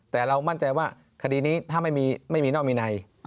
แต่เรามั่นใจว่าคดีนี้ถ้าไม่มีนอกมีใน